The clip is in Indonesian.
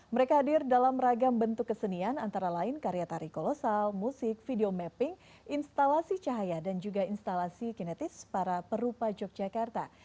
mereka hadir dalam ragam bentuk kesenian antara lain karya tari kolosal musik video mapping instalasi cahaya dan juga instalasi kinetis para perupa yogyakarta